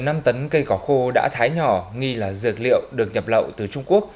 năm tấn cây cỏ khô đã thái nhỏ nghi là dược liệu được nhập lậu từ trung quốc